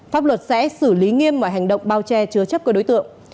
pháp luật sẽ xử lý nghiêm mọi hành động bao che chứa chấp các đối tượng